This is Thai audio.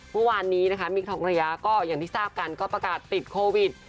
เมื่อวานนี้นะคะมิคทองระยะก็อย่างที่ทราบกันก็ประกาศติดโควิด